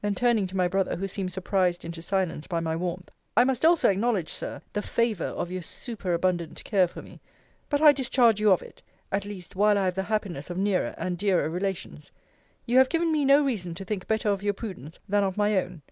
Then turning to my brother, who seemed surprised into silence by my warmth, I must also acknowledge, Sir, the favour of your superabundant care for me. But I discharge you of it; at least, while I have the happiness of nearer and dearer relations. You have given me no reason to think better of your prudence, than of my own.